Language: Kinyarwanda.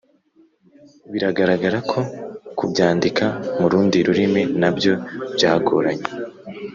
Biragaragara ko kubyandika mu rundi rurimi na byo byagoranye